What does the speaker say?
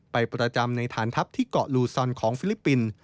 ประจำในฐานทัพที่เกาะลูซอนของฟิลิปปินส์